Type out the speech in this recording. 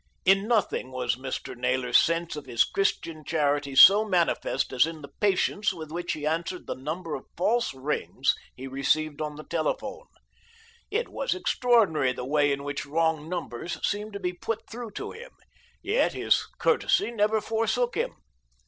In nothing was Mr. Naylor's sense of Christian charity so manifest as in the patience with which he answered the number of false rings he received on the telephone. It was extraordinary the way in which wrong numbers seemed to be put through to him; yet his courtesy never forsook him.